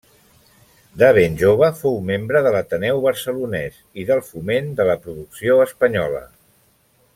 De ben jove fou membre de l'Ateneu Barcelonès i del Foment de la Producció Espanyola.